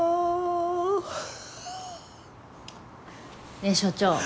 ねえ所長。